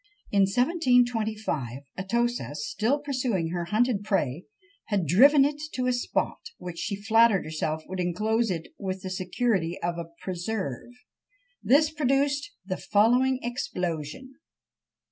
In 1725, Atossa still pursuing her hunted prey, had driven it to a spot which she flattered herself would enclose it with the security of a preserve. This produced the following explosion!